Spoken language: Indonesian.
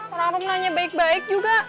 orang orang nanya baik baik juga